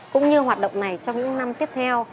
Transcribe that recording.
cũng như hoạt động này trong những năm tiếp theo